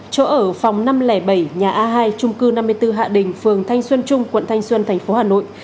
chỗ ở phòng năm trăm linh bảy nhà a hai trung cư năm mươi bốn hạ đình phường thanh xuân trung quận thanh xuân tp hcm